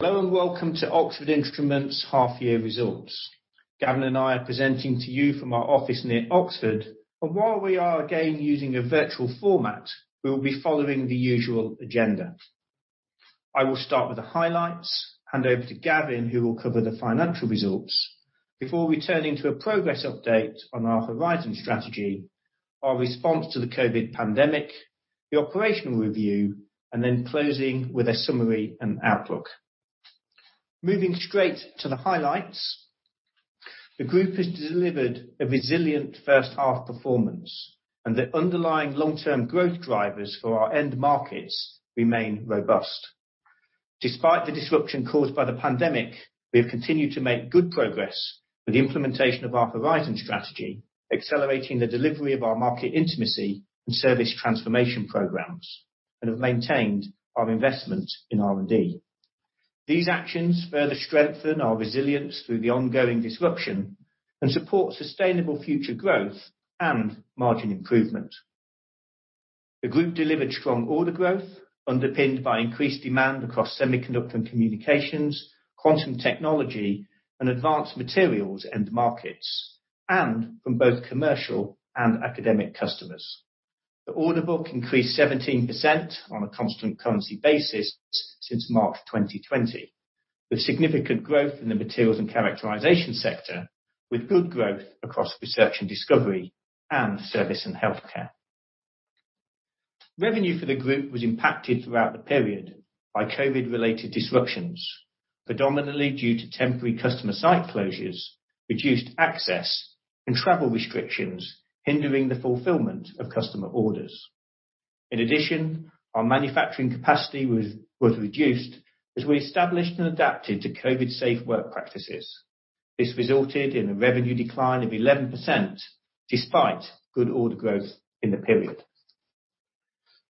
Hello and welcome to Oxford Instruments half-year results. Gavin and I are presenting to you from our office near Oxford, and while we are again using a virtual format, we will be following the usual agenda. I will start with the highlights, hand over to Gavin, who will cover the financial results, before returning to a progress update on our Horizon strategy, our response to the COVID pandemic, the operational review, and then closing with a summary and outlook. Moving straight to the highlights, the group has delivered a resilient first half performance, and the underlying long-term growth drivers for our end markets remain robust. Despite the disruption caused by the pandemic, we have continued to make good progress with the implementation of our Horizon strategy, accelerating the delivery of our market intimacy and service transformation programs, and have maintained our investment in R&D. These actions further strengthen our resilience through the ongoing disruption and support sustainable future growth and margin improvement. The group delivered strong order growth, underpinned by increased demand across semiconductor communications, quantum technology, and advanced materials end markets, and from both commercial and academic customers. The order book increased 17% on a constant currency basis since March 2020, with significant growth in the materials and characterization sector, with good growth across research and discovery, and service and healthcare. Revenue for the group was impacted throughout the period by COVID-related disruptions, predominantly due to temporary customer site closures, reduced access, and travel restrictions hindering the fulfillment of customer orders. In addition, our manufacturing capacity was reduced as we established and adapted to COVID-safe work practices. This resulted in a revenue decline of 11% despite good order growth in the period.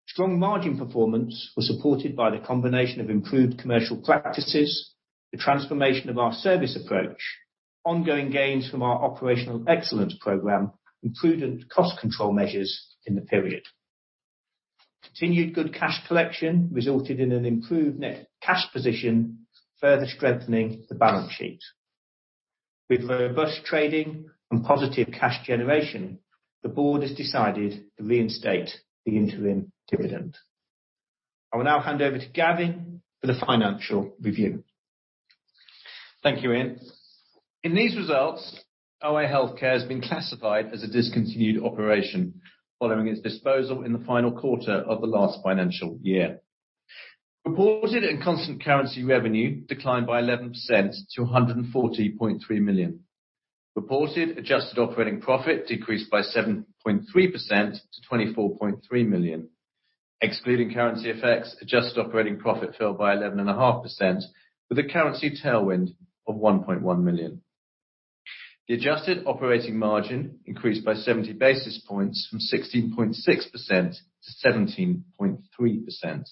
Strong margin performance was supported by the combination of improved commercial practices, the transformation of our service approach, ongoing gains from our operational excellence program, and prudent cost control measures in the period. Continued good cash collection resulted in an improved net cash position, further strengthening the balance sheet. With robust trading and positive cash generation, the board has decided to reinstate the interim dividend. I will now hand over to Gavin for the financial review. Thank you, Ian. In these results, OA Healthcare has been classified as a discontinued operation following its disposal in the final quarter of the last financial year. Reported and constant currency revenue declined by 11% to 140.3 million. Reported adjusted operating profit decreased by 7.3% to 24.3 million. Excluding currency effects, adjusted operating profit fell by 11.5%, with a currency tailwind of 1.1 million. The adjusted operating margin increased by 70 basis points from 16.6% to 17.3%. The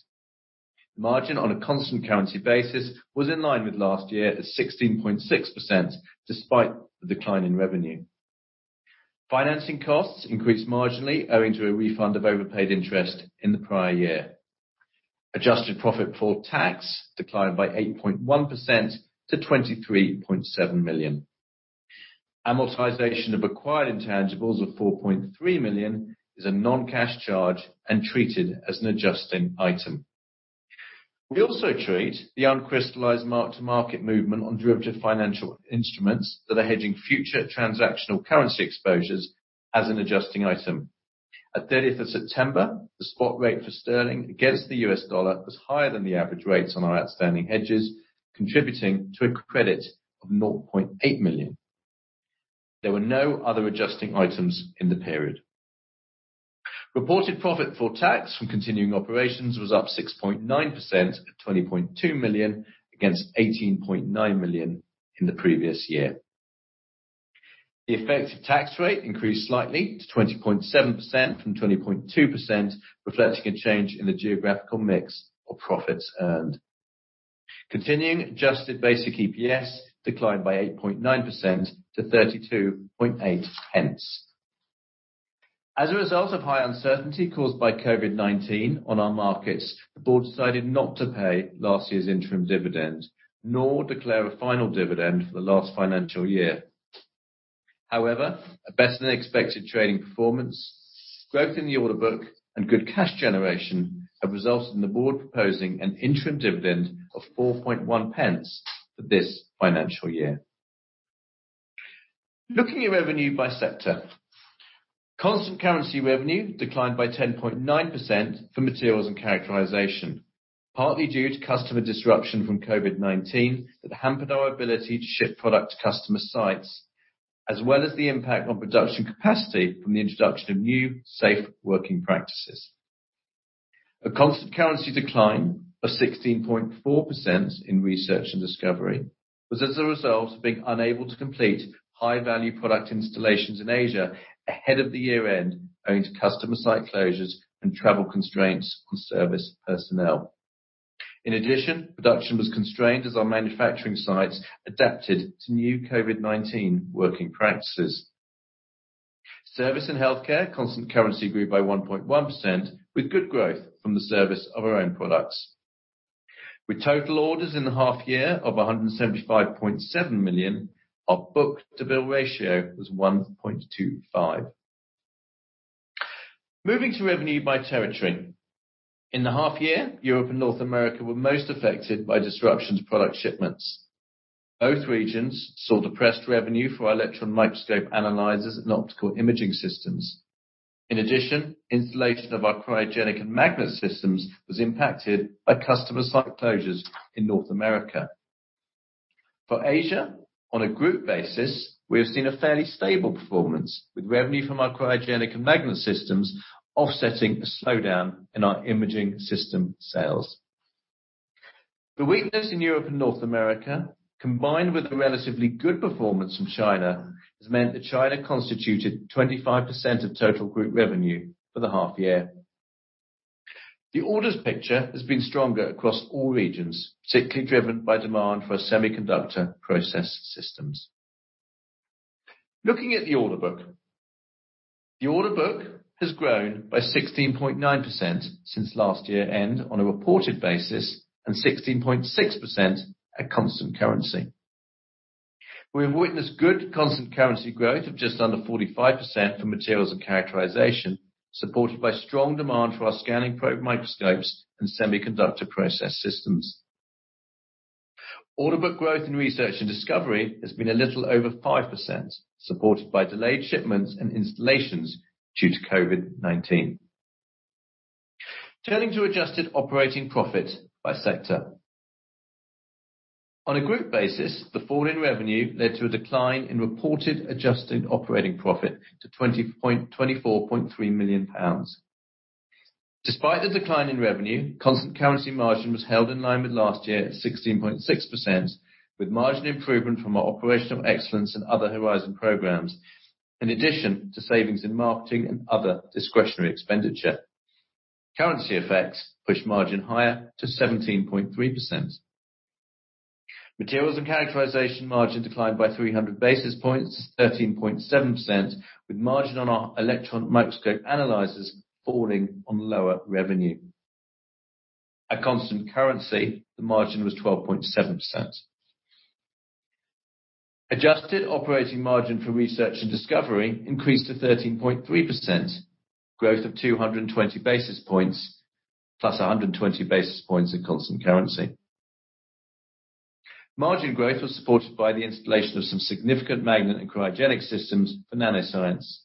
margin on a constant currency basis was in line with last year at 16.6%, despite the decline in revenue. Financing costs increased marginally, owing to a refund of overpaid interest in the prior year. Adjusted profit for tax declined by 8.1% to 23.7 million. Amortization of acquired intangibles of 4.3 million is a non-cash charge and treated as an adjusting item. We also treat the uncrystallized mark-to-market movement on derivative financial instruments that are hedging future transactional currency exposures as an adjusting item. At 30 September, the spot rate for sterling against the US dollar was higher than the average rates on our outstanding hedges, contributing to a credit of $0.8 million. There were no other adjusting items in the period. Reported profit for tax from continuing operations was up 6.9% at 20.2 million against 18.9 million in the previous year. The effective tax rate increased slightly to 20.7% from 20.2%, reflecting a change in the geographical mix of profits earned. Continuing adjusted basic EPS declined by 8.9% to 32.8 pence. As a result of high uncertainty caused by COVID-19 on our markets, the board decided not to pay last year's interim dividend, nor declare a final dividend for the last financial year. However, a better-than-expected trading performance, growth in the order book, and good cash generation have resulted in the board proposing an interim dividend of 4.1 pence for this financial year. Looking at revenue by sector, constant currency revenue declined by 10.9% for materials and characterization, partly due to customer disruption from COVID-19 that hampered our ability to ship product to customer sites, as well as the impact on production capacity from the introduction of new safe working practices. A constant currency decline of 16.4% in research and discovery was as a result of being unable to complete high-value product installations in Asia ahead of the year-end owing to customer site closures and travel constraints on service personnel. In addition, production was constrained as our manufacturing sites adapted to new COVID-19 working practices. Service and healthcare constant currency grew by 1.1%, with good growth from the service of our own products. With total orders in the half-year of 175.7 million, our book-to-bill ratio was 1.25. Moving to revenue by territory. In the half-year, Europe and North America were most affected by disruption to product shipments. Both regions saw depressed revenue for our electron microscope analyzers and optical imaging systems. In addition, installation of our cryogenic and magnet systems was impacted by customer site closures in North America. For Asia, on a group basis, we have seen a fairly stable performance, with revenue from our cryogenic and magnet systems offsetting a slowdown in our imaging system sales. The weakness in Europe and North America, combined with the relatively good performance from China, has meant that China constituted 25% of total group revenue for the half-year. The orders picture has been stronger across all regions, particularly driven by demand for semiconductor process systems. Looking at the order book, the order book has grown by 16.9% since last year-end on a reported basis and 16.6% at constant currency. We have witnessed good constant currency growth of just under 45% for materials and characterization, supported by strong demand for our scanning probe microscopes and semiconductor process systems. Order book growth in research and discovery has been a little over 5%, supported by delayed shipments and installations due to COVID-19. Turning to adjusted operating profit by sector. On a group basis, the fall in revenue led to a decline in reported adjusted operating profit to 24.3 million pounds. Despite the decline in revenue, constant currency margin was held in line with last year at 16.6%, with margin improvement from our operational excellence and other Horizon programs, in addition to savings in marketing and other discretionary expenditure. Currency effects pushed margin higher to 17.3%. Materials and characterization margin declined by 300 basis points to 13.7%, with margin on our electron microscope analyzers falling on lower revenue. At constant currency, the margin was 12.7%. Adjusted operating margin for research and discovery increased to 13.3%, growth of 220 basis points, plus 120 basis points in constant currency. Margin growth was supported by the installation of some significant magnet and cryogenic systems for nanoscience.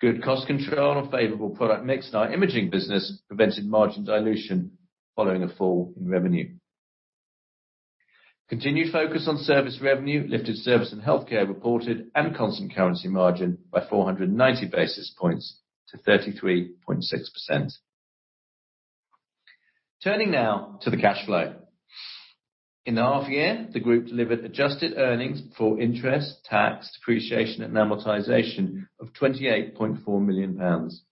Good cost control and favorable product mix in our imaging business prevented margin dilution following a fall in revenue. Continued focus on service revenue lifted service and healthcare reported and constant currency margin by 490 basis points to 33.6%. Turning now to the cash flow. In the half-year, the group delivered adjusted earnings for interest, tax, depreciation, and amortization of 28.4 million pounds.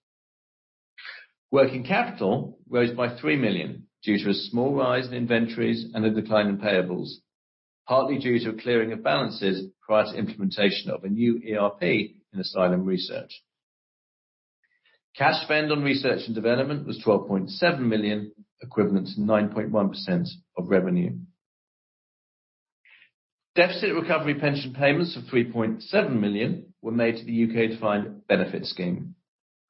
Working capital rose by 3 million due to a small rise in inventories and a decline in payables, partly due to a clearing of balances prior to implementation of a new ERP in Asylum Research. Cash spend on research and development was 12.7 million, equivalent to 9.1% of revenue. Deficit recovery pension payments of 3.7 million were made to the U.K. Defined Benefit Scheme.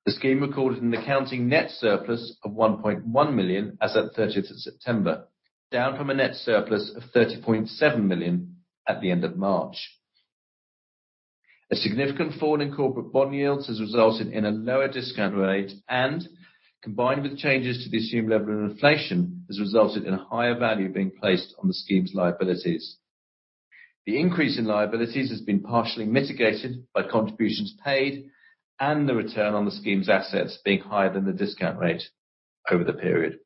The scheme recorded an accounting net surplus of 1.1 million as of 30 September, down from a net surplus of 30.7 million at the end of March. A significant fall in corporate bond yields has resulted in a lower discount rate, and combined with changes to the assumed level of inflation, has resulted in a higher value being placed on the scheme's liabilities. The increase in liabilities has been partially mitigated by contributions paid and the return on the scheme's assets being higher than the discount rate over the period.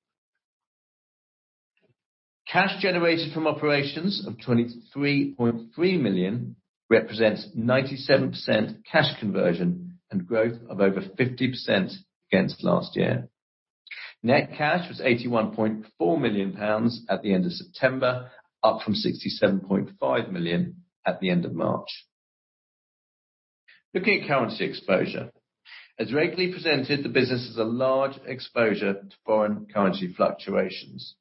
Cash generated from operations of 23.3 million represents 97% cash conversion and growth of over 50% against last year. Net cash was 81.4 million pounds at the end of September, up from 67.5 million at the end of March. Looking at currency exposure, as regularly presented, the business has a large exposure to foreign currency fluctuations.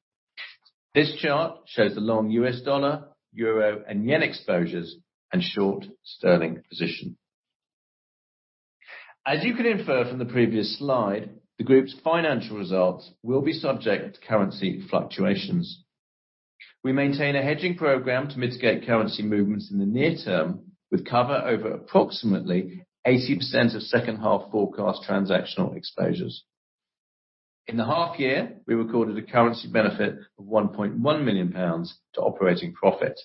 This chart shows the long US dollar, euro, and yen exposures and short sterling position. As you can infer from the previous slide, the group's financial results will be subject to currency fluctuations. We maintain a hedging program to mitigate currency movements in the near term, with cover over approximately 80% of second-half forecast transactional exposures. In the half-year, we recorded a currency benefit of 1.1 million pounds to operating profit.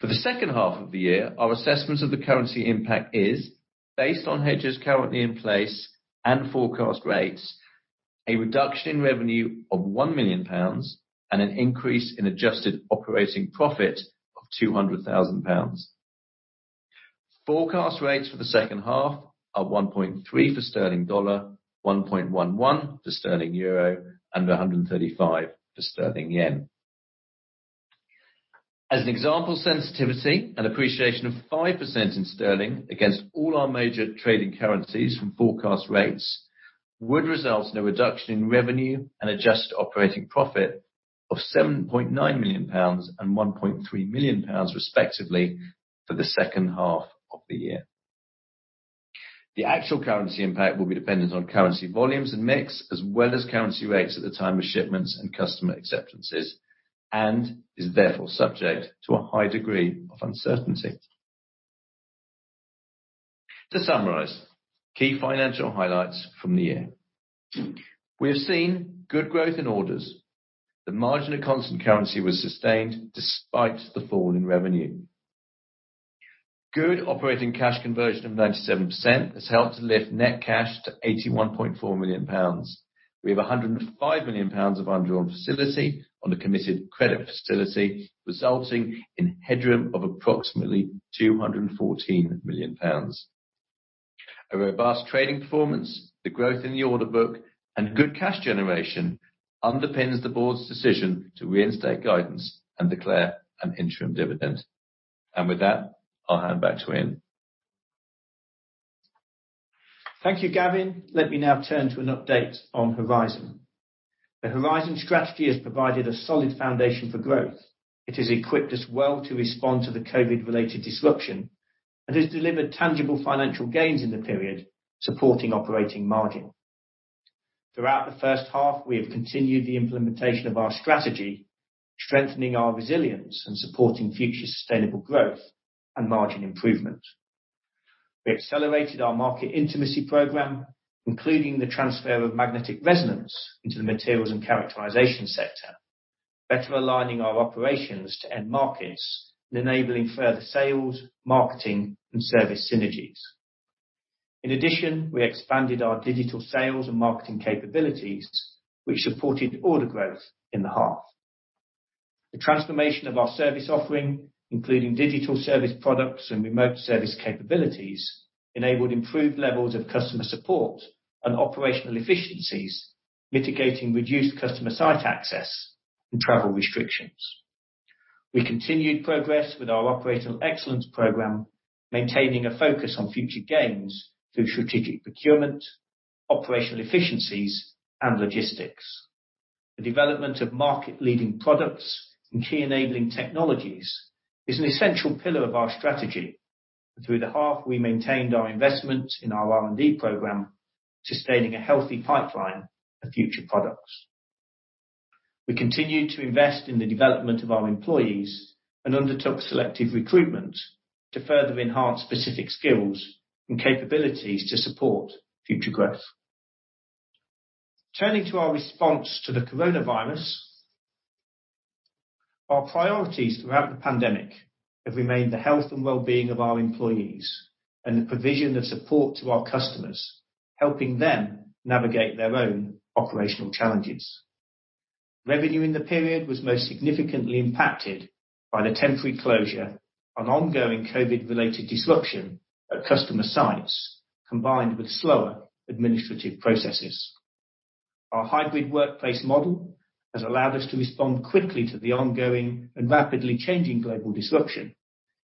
For the second half of the year, our assessment of the currency impact is, based on hedges currently in place and forecast rates, a reduction in revenue of 1 million pounds and an increase in adjusted operating profit of 200,000 pounds. Forecast rates for the second half are 1.3 for sterling dollar, 1.11 for sterling euro, and 135 for sterling yen. As an example, sensitivity and appreciation of 5% in sterling against all our major trading currencies from forecast rates would result in a reduction in revenue and adjusted operating profit of 7.9 million pounds and 1.3 million pounds, respectively, for the second half of the year. The actual currency impact will be dependent on currency volumes and mix, as well as currency rates at the time of shipments and customer acceptances, and is therefore subject to a high degree of uncertainty. To summarize, key financial highlights from the year. We have seen good growth in orders. The margin of constant currency was sustained despite the fall in revenue. Good operating cash conversion of 97% has helped to lift net cash to 81.4 million pounds. We have 105 million pounds of undrawn facility on a committed credit facility, resulting in headroom of approximately 214 million pounds. A robust trading performance, the growth in the order book, and good cash generation underpins the board's decision to reinstate guidance and declare an interim dividend. I'll hand back to Ian. Thank you, Gavin. Let me now turn to an update on Horizon. The Horizon strategy has provided a solid foundation for growth. It has equipped us well to respond to the COVID-related disruption and has delivered tangible financial gains in the period, supporting operating margin. Throughout the first half, we have continued the implementation of our strategy, strengthening our resilience and supporting future sustainable growth and margin improvement. We accelerated our market intimacy program, including the transfer of magnetic resonance into the materials and characterization sector, better aligning our operations to end markets and enabling further sales, marketing, and service synergies. In addition, we expanded our digital sales and marketing capabilities, which supported order growth in the half. The transformation of our service offering, including digital service products and remote service capabilities, enabled improved levels of customer support and operational efficiencies, mitigating reduced customer site access and travel restrictions. We continued progress with our operational excellence program, maintaining a focus on future gains through strategic procurement, operational efficiencies, and logistics. The development of market-leading products and key enabling technologies is an essential pillar of our strategy. Through the half, we maintained our investment in our R&D program, sustaining a healthy pipeline of future products. We continued to invest in the development of our employees and undertook selective recruitment to further enhance specific skills and capabilities to support future growth. Turning to our response to the coronavirus, our priorities throughout the pandemic have remained the health and well-being of our employees and the provision of support to our customers, helping them navigate their own operational challenges. Revenue in the period was most significantly impacted by the temporary closure and ongoing COVID-related disruption at customer sites, combined with slower administrative processes. Our hybrid workplace model has allowed us to respond quickly to the ongoing and rapidly changing global disruption,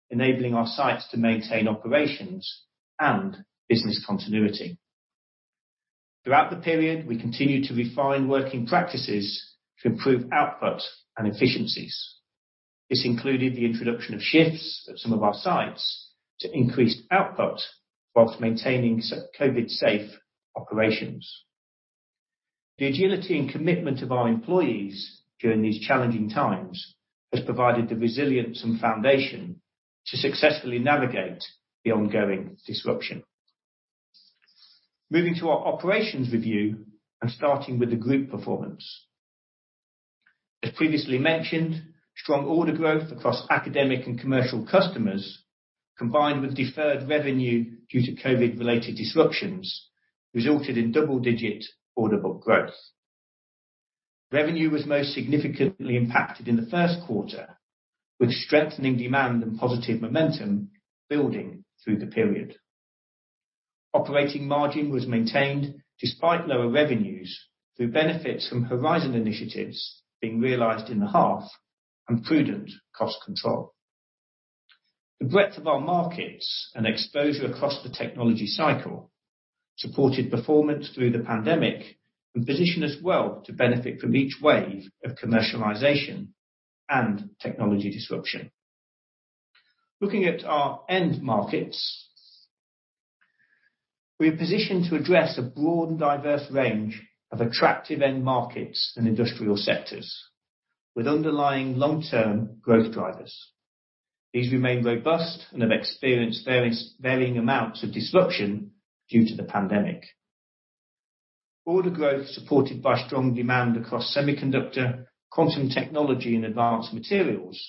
enabling our sites to maintain operations and business continuity. Throughout the period, we continued to refine working practices to improve output and efficiencies. This included the introduction of shifts at some of our sites to increase output whilst maintaining COVID-safe operations. The agility and commitment of our employees during these challenging times has provided the resilience and foundation to successfully navigate the ongoing disruption. Moving to our operations review and starting with the group performance. As previously mentioned, strong order growth across academic and commercial customers, combined with deferred revenue due to COVID-related disruptions, resulted in double-digit order book growth. Revenue was most significantly impacted in the first quarter, with strengthening demand and positive momentum building through the period. Operating margin was maintained despite lower revenues through benefits from Horizon initiatives being realized in the half and prudent cost control. The breadth of our markets and exposure across the technology cycle supported performance through the pandemic and positioned us well to benefit from each wave of commercialization and technology disruption. Looking at our end markets, we are positioned to address a broad and diverse range of attractive end markets and industrial sectors with underlying long-term growth drivers. These remain robust and have experienced varying amounts of disruption due to the pandemic. Order growth, supported by strong demand across semiconductor, quantum technology, and advanced materials,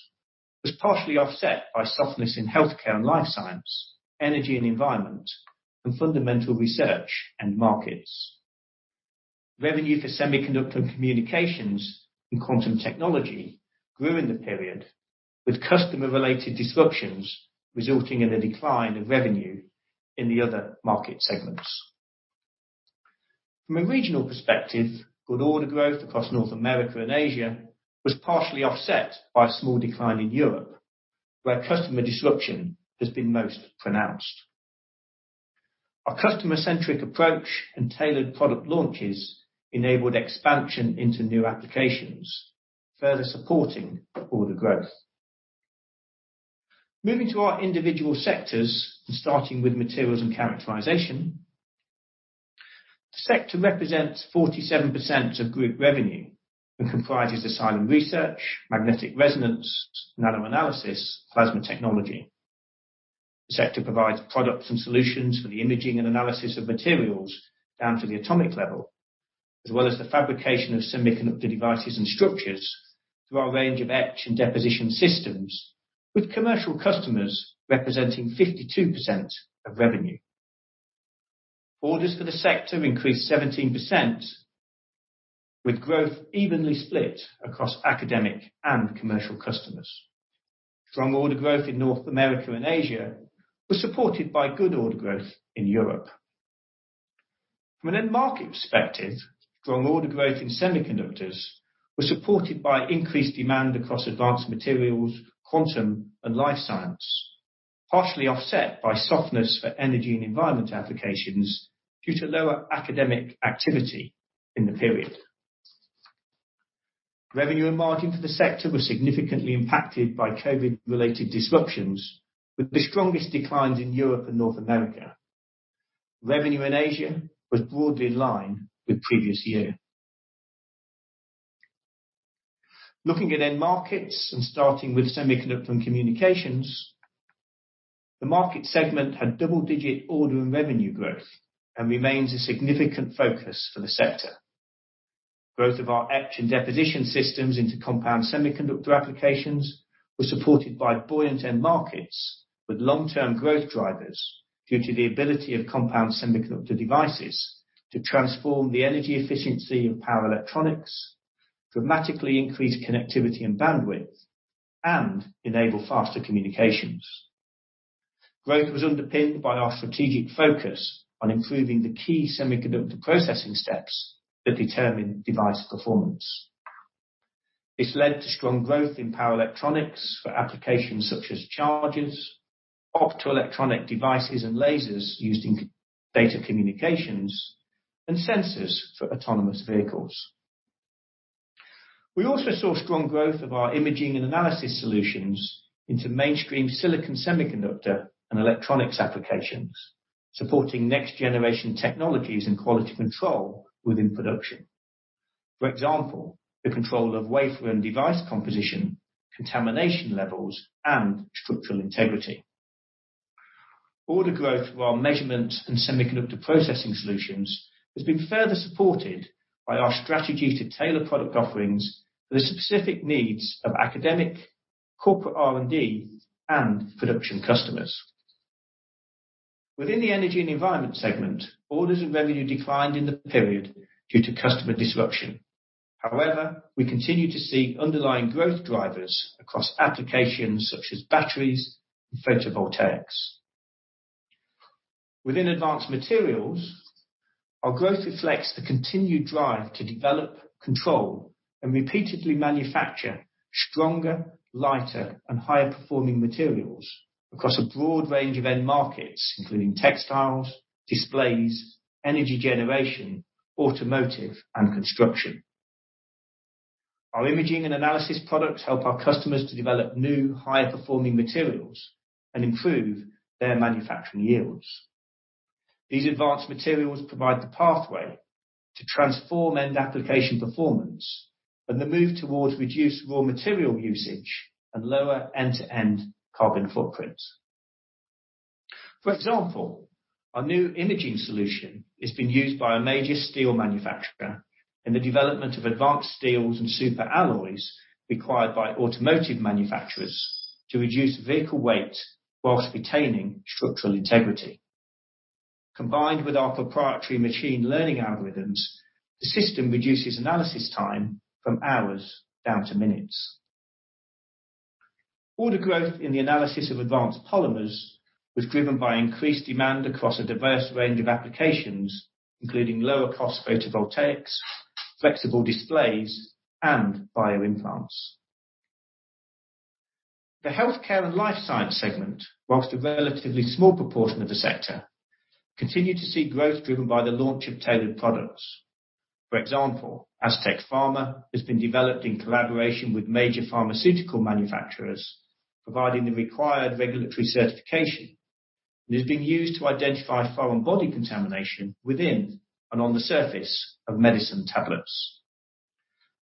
was partially offset by softness in healthcare and life science, energy and environment, and fundamental research and markets. Revenue for semiconductor and communications and quantum technology grew in the period, with customer-related disruptions resulting in a decline in revenue in the other market segments. From a regional perspective, good order growth across North America and Asia was partially offset by a small decline in Europe, where customer disruption has been most pronounced. Our customer-centric approach and tailored product launches enabled expansion into new applications, further supporting order growth. Moving to our individual sectors and starting with materials and characterization, the sector represents 47% of group revenue and comprises Asylum Research, magnetic resonance, NanoAnalysis, plasma technology. The sector provides products and solutions for the imaging and analysis of materials down to the atomic level, as well as the fabrication of semiconductor devices and structures through our range of etch and deposition systems, with commercial customers representing 52% of revenue. Orders for the sector increased 17%, with growth evenly split across academic and commercial customers. Strong order growth in North America and Asia was supported by good order growth in Europe. From an end market perspective, strong order growth in semiconductors was supported by increased demand across advanced materials, quantum, and life science, partially offset by softness for energy and environment applications due to lower academic activity in the period. Revenue and margin for the sector were significantly impacted by COVID-related disruptions, with the strongest declines in Europe and North America. Revenue in Asia was broadly in line with the previous year. Looking at end markets and starting with semiconductor and communications, the market segment had double-digit order and revenue growth and remains a significant focus for the sector. Growth of our etch and deposition systems into compound semiconductor applications was supported by buoyant end markets, with long-term growth drivers due to the ability of compound semiconductor devices to transform the energy efficiency of power electronics, dramatically increase connectivity and bandwidth, and enable faster communications. Growth was underpinned by our strategic focus on improving the key semiconductor processing steps that determine device performance. This led to strong growth in power electronics for applications such as chargers, optoelectronic devices and lasers used in data communications, and sensors for autonomous vehicles. We also saw strong growth of our imaging and analysis solutions into mainstream silicon semiconductor and electronics applications, supporting next-generation technologies and quality control within production. For example, the control of wafer and device composition, contamination levels, and structural integrity. Order growth of our measurement and semiconductor processing solutions has been further supported by our strategy to tailor product offerings for the specific needs of academic, corporate R&D, and production customers. Within the energy and environment segment, orders and revenue declined in the period due to customer disruption. However, we continue to see underlying growth drivers across applications such as batteries and photovoltaics. Within advanced materials, our growth reflects the continued drive to develop, control, and repeatedly manufacture stronger, lighter, and higher-performing materials across a broad range of end markets, including textiles, displays, energy generation, automotive, and construction. Our imaging and analysis products help our customers to develop new, higher-performing materials and improve their manufacturing yields. These advanced materials provide the pathway to transform end application performance and the move towards reduced raw material usage and lower end-to-end carbon footprints. For example, our new imaging solution has been used by a major steel manufacturer in the development of advanced steels and super alloys required by automotive manufacturers to reduce vehicle weight whilst retaining structural integrity. Combined with our proprietary machine learning algorithms, the system reduces analysis time from hours down to minutes. Order growth in the analysis of advanced polymers was driven by increased demand across a diverse range of applications, including lower-cost photovoltaics, flexible displays, and bioimplants. The healthcare and life science segment, whilst a relatively small proportion of the sector, continued to see growth driven by the launch of tailored products. For example, AZtecPharma has been developed in collaboration with major pharmaceutical manufacturers, providing the required regulatory certification, and has been used to identify foreign body contamination within and on the surface of medicine tablets.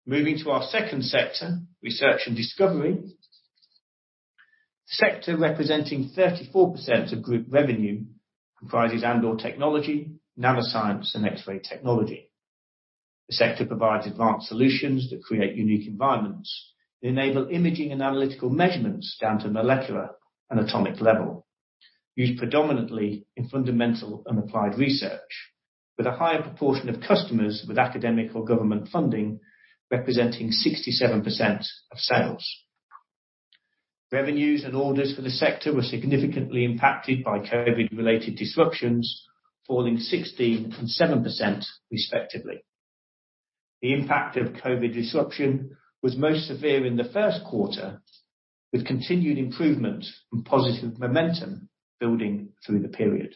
Moving to our second sector, research and discovery, the sector representing 34% of group revenue comprises Andor Technology, NanoScience, and X-ray Technology. The sector provides advanced solutions that create unique environments and enable imaging and analytical measurements down to molecular and atomic level, used predominantly in fundamental and applied research, with a higher proportion of customers with academic or government funding representing 67% of sales. Revenues and orders for the sector were significantly impacted by COVID-related disruptions, falling 16% and 7% respectively. The impact of COVID disruption was most severe in the first quarter, with continued improvement and positive momentum building through the period.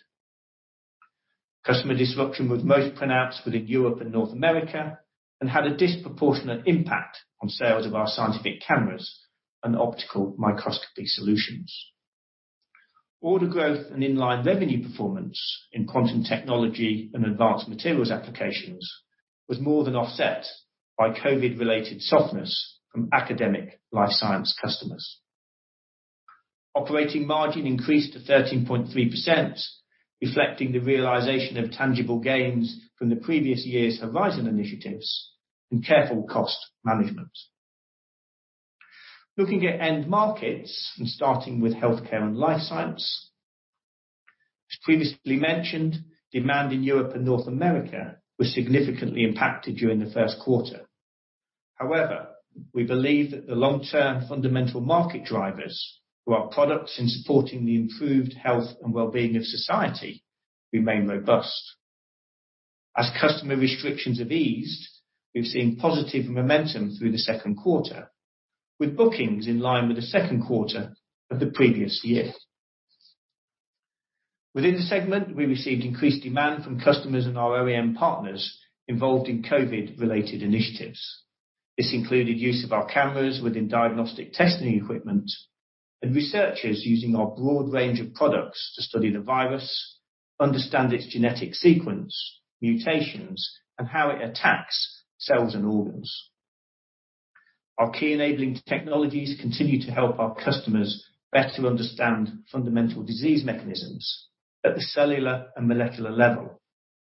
Customer disruption was most pronounced within Europe and North America and had a disproportionate impact on sales of our scientific cameras and optical microscopy solutions. Order growth and inline revenue performance in quantum technology and advanced materials applications was more than offset by COVID-related softness from academic life science customers. Operating margin increased to 13.3%, reflecting the realization of tangible gains from the previous year's Horizon initiatives and careful cost management. Looking at end markets and starting with healthcare and life science, as previously mentioned, demand in Europe and North America was significantly impacted during the first quarter. However, we believe that the long-term fundamental market drivers for our products in supporting the improved health and well-being of society remain robust. As customer restrictions have eased, we've seen positive momentum through the second quarter, with bookings in line with the second quarter of the previous year. Within the segment, we received increased demand from customers and our OEM partners involved in COVID-related initiatives. This included use of our cameras within diagnostic testing equipment and researchers using our broad range of products to study the virus, understand its genetic sequence, mutations, and how it attacks cells and organs. Our key enabling technologies continue to help our customers better understand fundamental disease mechanisms at the cellular and molecular level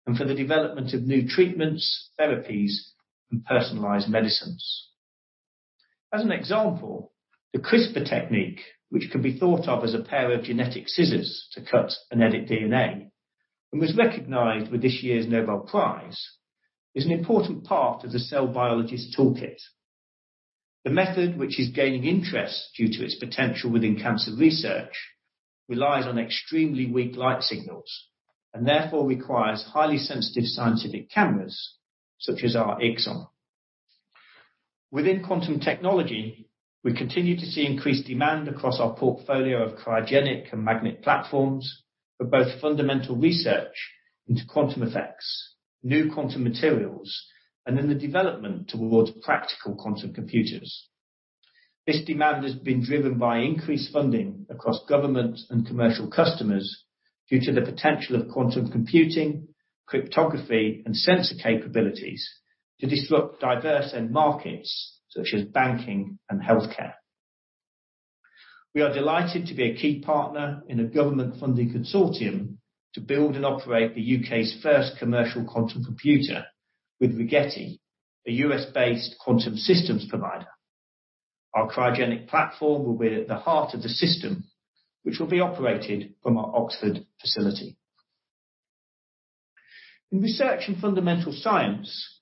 and for the development of new treatments, therapies, and personalized medicines. As an example, the CRISPR technique, which can be thought of as a pair of genetic scissors to cut and edit DNA and was recognized with this year's Nobel Prize, is an important part of the cell biology's toolkit. The method, which is gaining interest due to its potential within cancer research, relies on extremely weak light signals and therefore requires highly sensitive scientific cameras such as our iXon. Within quantum technology, we continue to see increased demand across our portfolio of cryogenic and magnet platforms for both fundamental research into quantum effects, new quantum materials, and in the development towards practical quantum computers. This demand has been driven by increased funding across government and commercial customers due to the potential of quantum computing, cryptography, and sensor capabilities to disrupt diverse end markets such as banking and healthcare. We are delighted to be a key partner in a government-funded consortium to build and operate the U.K.'s first commercial quantum computer with Rigetti, a US-based quantum systems provider. Our cryogenic platform will be at the heart of the system, which will be operated from our Oxford facility. In research and fundamental science,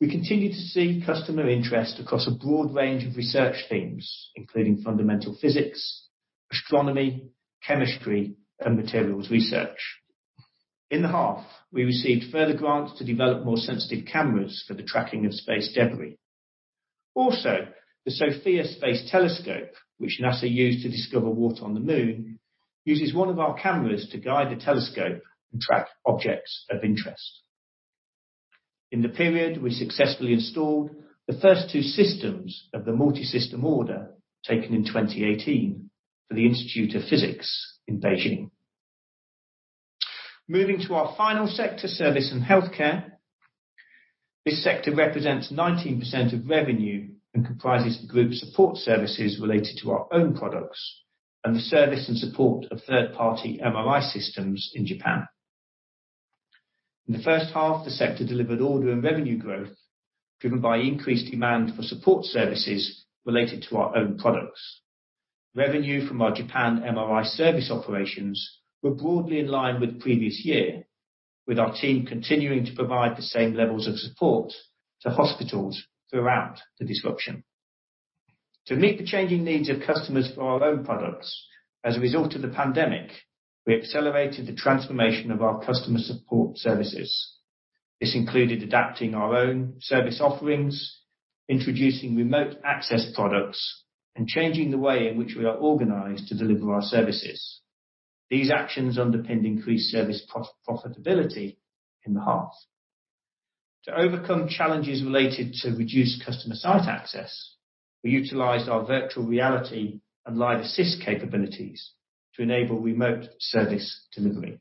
we continue to see customer interest across a broad range of research themes, including fundamental physics, astronomy, chemistry, and materials research. In the half, we received further grants to develop more sensitive cameras for the tracking of space debris. Also, the SOFIA Space Telescope, which NASA used to discover water on the moon, uses one of our cameras to guide the telescope and track objects of interest. In the period, we successfully installed the first two systems of the multi-system order taken in 2018 for the Institute of Physics in Beijing. Moving to our final sector, service and healthcare. This sector represents 19% of revenue and comprises the group support services related to our own products and the service and support of third-party MRI systems in Japan. In the first half, the sector delivered order and revenue growth driven by increased demand for support services related to our own products. Revenue from our Japan MRI service operations were broadly in line with the previous year, with our team continuing to provide the same levels of support to hospitals throughout the disruption. To meet the changing needs of customers for our own products as a result of the pandemic, we accelerated the transformation of our customer support services. This included adapting our own service offerings, introducing remote access products, and changing the way in which we are organized to deliver our services. These actions underpinned increased service profitability in the half. To overcome challenges related to reduced customer site access, we utilized our virtual reality and live assist capabilities to enable remote service delivery.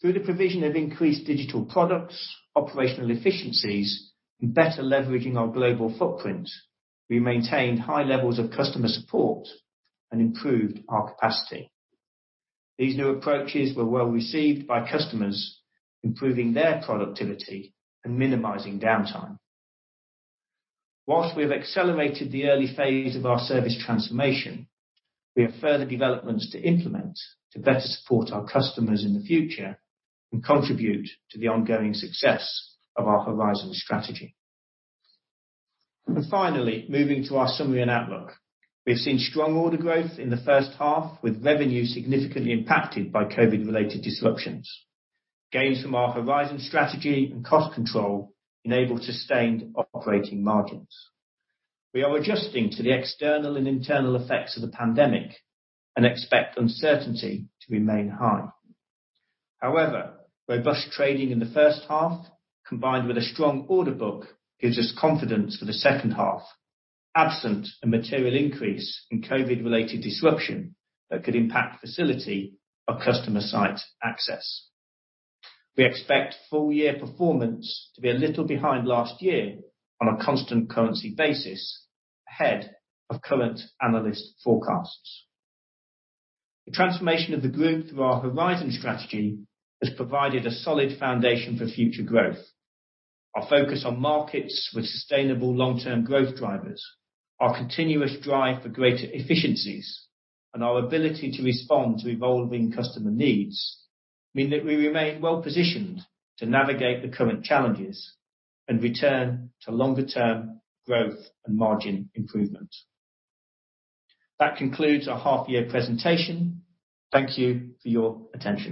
Through the provision of increased digital products, operational efficiencies, and better leveraging our global footprint, we maintained high levels of customer support and improved our capacity. These new approaches were well received by customers, improving their productivity and minimizing downtime. Whilst we have accelerated the early phase of our service transformation, we have further developments to implement to better support our customers in the future and contribute to the ongoing success of our Horizon strategy. Finally, moving to our summary and outlook, we've seen strong order growth in the first half, with revenue significantly impacted by COVID-related disruptions. Gains from our Horizon strategy and cost control enabled sustained operating margins. We are adjusting to the external and internal effects of the pandemic and expect uncertainty to remain high. However, robust trading in the first half, combined with a strong order book, gives us confidence for the second half, absent a material increase in COVID-related disruption that could impact facility or customer site access. We expect full-year performance to be a little behind last year on a constant currency basis ahead of current analyst forecasts. The transformation of the group through our Horizon strategy has provided a solid foundation for future growth. Our focus on markets with sustainable long-term growth drivers, our continuous drive for greater efficiencies, and our ability to respond to evolving customer needs mean that we remain well positioned to navigate the current challenges and return to longer-term growth and margin improvement. That concludes our half-year presentation. Thank you for your attention.